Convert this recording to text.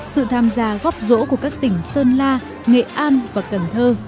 sự tham gia góp rỗ của các tỉnh sơn la nghệ an và cần thơ